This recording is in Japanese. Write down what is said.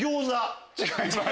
違います。